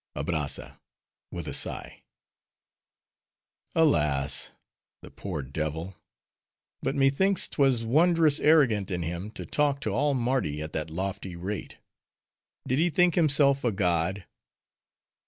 ABRAZZA (with a sigh)—Alas, the poor devil! But methinks 'twas wondrous arrogant in him to talk to all Mardi at that lofty rate.—Did he think himself a god?